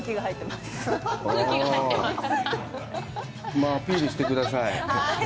まあ、アピールしてください。